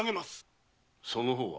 その方は？